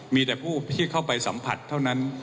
มีแต่ผู้ที่เข้าไปสัมผัสเท่านั้น